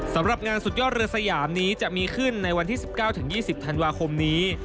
สำหรับงานสุดยอดเรือสยามนี้จะมีขึ้นในวันที่๑๙๒๐ธันวาคมนี้